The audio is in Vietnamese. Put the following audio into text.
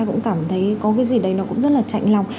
cũng cảm thấy có cái gì đấy nó cũng rất là chạy lòng